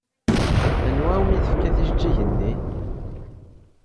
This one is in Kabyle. Anwa umi tefka tijeǧǧigin-nni?